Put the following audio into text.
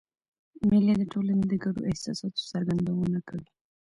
مېلې د ټولني د ګډو احساساتو څرګندونه کوي.